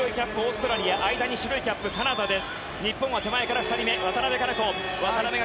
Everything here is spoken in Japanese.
黄色がオーストラリア、白いキャップがカナダです。